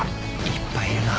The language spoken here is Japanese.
いっぱいいるな。